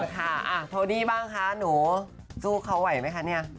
โทนี้บ้างครับหนูสู้เขาไหมจะได้ไหม